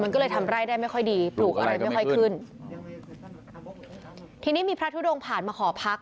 มันก็เลยทำไร่ได้ไม่ค่อยดีปลูกอะไรไม่ค่อยขึ้นทีนี้มีพระทุดงผ่านมาหอพัก